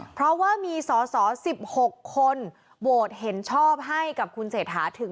เพราะว่ามีสอสอ๑๖คนโหวตเห็นชอบให้กับคุณเศรษฐาถึง